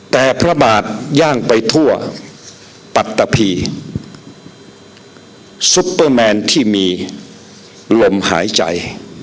แต่พระบาทย่างไปทั่วปัตตะพีซุปเปอร์แมนที่มีลมหายใจ